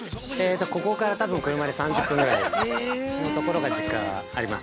◆ここから多分車で３０分ぐらいのところが実家、あります。